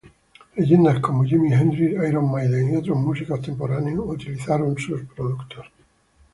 Leyendas como Jimi Hendrix, Iron Maiden y otros músicos contemporáneos utilizaron sus productos.